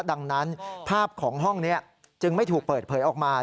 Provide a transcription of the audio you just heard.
ดังนั้นภาพของห้องนี้จึงไม่ถูกเปิดเผยออกมา